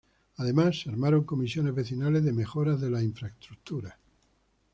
Además se armaron comisiones vecinales de mejora de las infraestructuras.